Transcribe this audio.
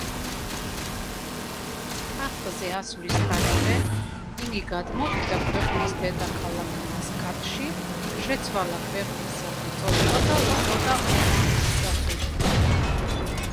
ტახტზე ასვლისთანავე, იგი გადმოვიდა ქვეყნის დედაქალაქ მასკატში, შეცვალა ქვეყნის სახელწოდება და უწოდა ომანის სასულთნო.